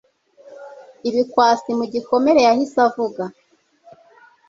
ibikwasi mugikomere yahise avuga